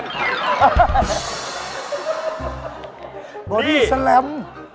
ที่บอดี้โสปเปร์